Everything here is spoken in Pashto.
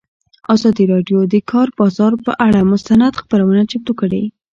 ازادي راډیو د د کار بازار پر اړه مستند خپرونه چمتو کړې.